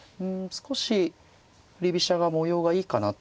少し振り飛車が模様がいいかなと。